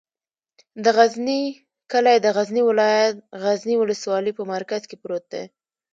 د غزنی کلی د غزنی ولایت، غزنی ولسوالي په مرکز کې پروت دی.